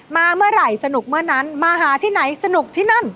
มาเมื่อไหร่สนุกเมื่อนั้นมาหาที่ไหนสนุกที่นั่น